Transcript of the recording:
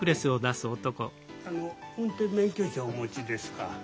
あの運転免許証お持ちですか？